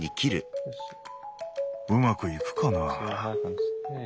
うまくいくかな。